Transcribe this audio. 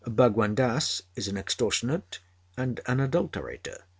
Bhagwan Dass is an extortionate and an adulterator.